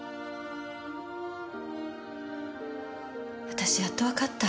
私やっとわかった。